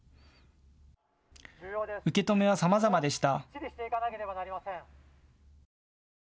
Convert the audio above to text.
受け止めはさまざまでした。